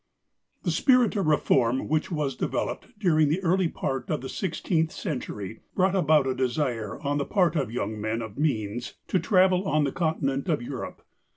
The spirit of reform which was developed during the early part of the sixteenth century brought about a desire on the part of young men of means to travel on the continent of Europe.